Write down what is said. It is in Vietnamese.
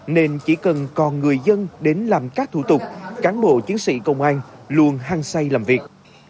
nên chỉ cần còn người dân đến làm các thủ tục cán bộ chiến sĩ công an luôn hăng say làm việc